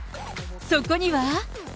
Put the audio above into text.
そこには。